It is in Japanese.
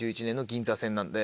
銀座線なんで。